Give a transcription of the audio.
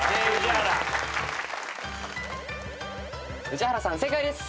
宇治原さん正解です。